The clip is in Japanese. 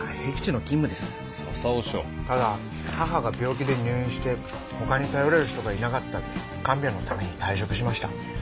ただ母が病気で入院して他に頼れる人がいなかったので看病のために退職しました。